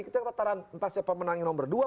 kita tataran entah siapa menangnya nomor dua